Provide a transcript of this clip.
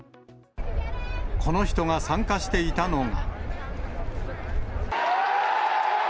この人が参加していたのが。